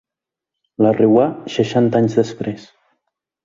La “riuà” seixanta anys després.